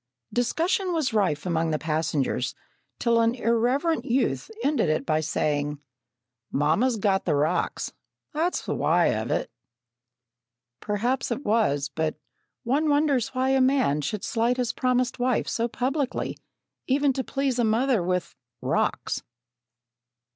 Discussion was rife among the passengers, till an irreverent youth ended it by saying: "Mamma's got the rocks; that's the why of it!" Perhaps it was, but one wonders why a man should slight his promised wife so publicly, even to please a mother with "rocks!"